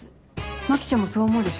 牧ちゃんもそう思うでしょ？